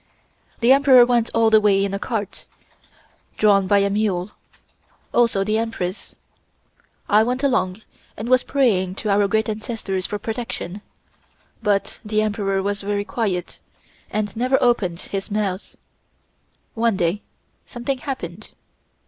"The Emperor went all the way in a cart, drawn by a mule, also the Empress. I went along, and was praying to our Great Ancestors for protection, but the Emperor was very quiet, and never opened his mouth. One day something happened.